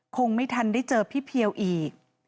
คงไม่ทันได้เจอพี่เพียวอีก